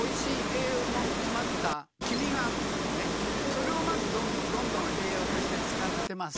それをまずどんどんどんどん栄養として使ってます。